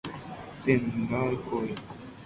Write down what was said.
Tenda oikove.